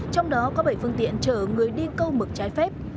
trong đó có bảy phương tiện chở người đi câu mực trái phép